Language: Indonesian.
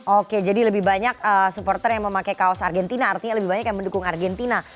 oke jadi lebih banyak supporter yang memakai kaos argentina artinya lebih banyak yang mendukung argentina